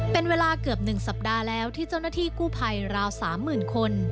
เป็นเวลาเกือบ๑สัปดาห์แล้วที่เจ้าหน้าที่กู้ภัยราว๓๐๐๐คน